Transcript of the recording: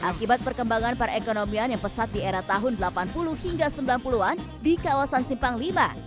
akibat perkembangan perekonomian yang pesat di era tahun delapan puluh hingga sembilan puluh an di kawasan simpang v